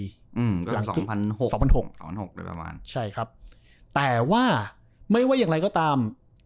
ก็๒๐๐๖ประมาณใช่ครับแต่ว่าไม่ว่าอย่างไรก็ตาม